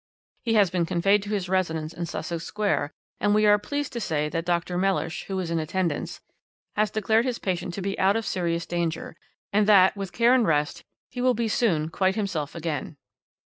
"'He has been conveyed to his residence in Sussex Square, and we are pleased to say that Doctor Mellish, who is in attendance, has declared his patient to be out of serious danger, and that with care and rest he will be soon quite himself again.